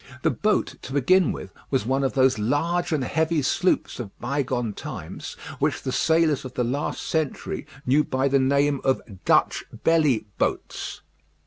The boat, to begin with, was one of those large and heavy sloops of bygone times which the sailors of the last century knew by the name of "Dutch Belly Boats."